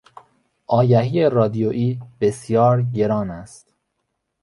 آگهی رادیویی بسیار گران است.